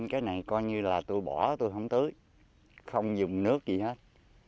cái này coi như là tôi bỏ tôi không tưới không dùng nước gì hết